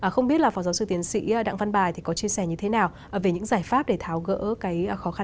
không biết là phó giáo sư tiến sĩ đặng văn bài có chia sẻ như thế nào về những giải pháp để tháo gỡ khóa